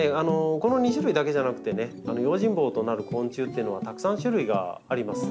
この２種類だけじゃなくてね用心棒となる昆虫っていうのはたくさん種類があります。